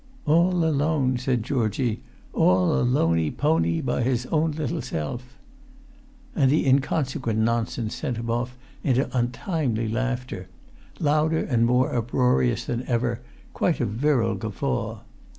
"All alone," said Georgie; "all alonypony by his own little self!" And the inconsequent nonsense sent him off into untimely laughter, louder and more uproarious than ever, quite a virile guffaw.